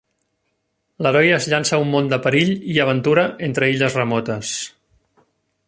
L'heroi es llança a un món de perill i aventura entre illes remotes.